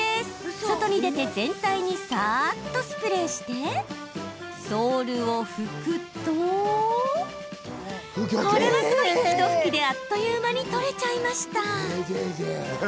外に出て全体に、さーっとスプレーしてソールを拭くとこれはすごい、ひと拭きであっという間に取れちゃいました。